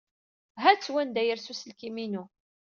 Ha-t wanda ay yers uselkim-inu.